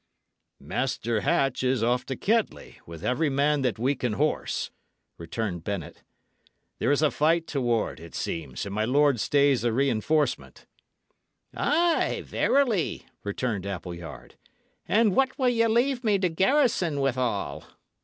"Master Hatch is off to Kettley, with every man that we can horse," returned Bennet. "There is a fight toward, it seems, and my lord stays a reinforcement." "Ay, verily," returned Appleyard. "And what will ye leave me to garrison withal?"